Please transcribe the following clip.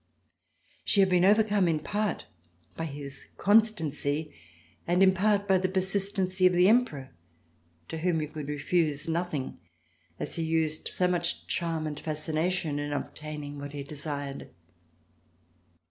She had been overcome, in part by his constancy, and in part by the persistency of the Emperor to whom you could refuse nothing, as he used so much charm and fascination in obtaining what he desired.